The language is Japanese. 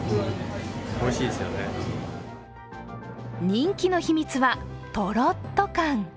人気の秘密は、とろっと感。